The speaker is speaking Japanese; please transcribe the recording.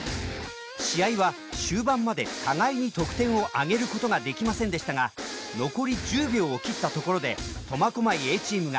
試合は終盤まで互いに得点を挙げることができませんでしたが残り１０秒を切ったところで苫小牧Ａチームが紙飛行機を射出。